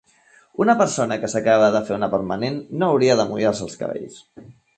Una persona que s'acaba de fer una permanent no hauria de mullar-se els cabells.